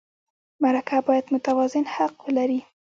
مرکه باید متوازن حق ولري.